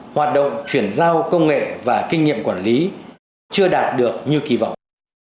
hoạt động chuyển giao công nghệ và kinh nghiệm quản lý chưa đạt được như kỳ vọng